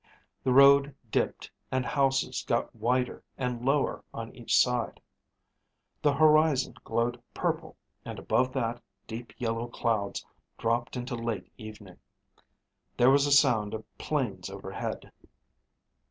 The road dipped and houses got wider and lower on each side. The horizon glowed purple and above that, deep yellow clouds dropped into late evening. There was a sound of planes overhead.